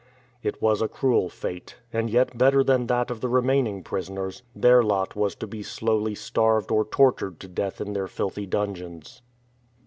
It was a cruel fate, and yet better than that of the remaining prisoners. Their lot was to be slowly starved or tortured to death in their filthy dungeons.